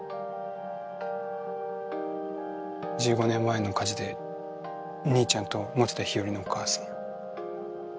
１５年前の火事で兄ちゃんと田日和のお母さん。